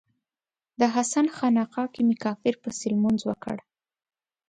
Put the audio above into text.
د حسن خانقا کې می کافر پسې لمونځ وکړ